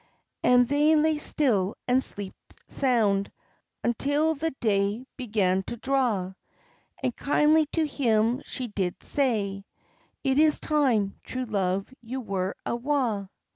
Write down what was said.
And they lay still and sleeped sound Until the day began to daw; And kindly to him she did say, "It is time, true love, you were awa'."